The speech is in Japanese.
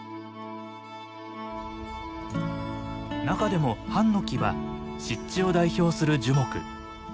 中でもハンノキは湿地を代表する樹木。